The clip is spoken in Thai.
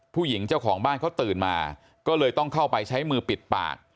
ผู้หญิงเจ้าของบ้านเขาตื่นมาก็เลยต้องเข้าไปใช้มือปิดปาก